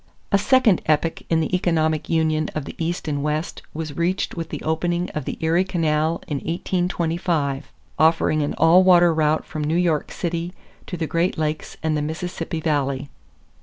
= A second epoch in the economic union of the East and West was reached with the opening of the Erie Canal in 1825, offering an all water route from New York City to the Great Lakes and the Mississippi Valley.